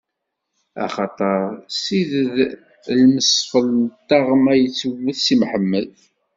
Axaṭer s ided n lmefṣel n taɣma i yettwet Si Mḥemmed.